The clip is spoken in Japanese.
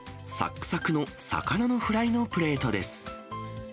っくさくの魚のフライのプレートです。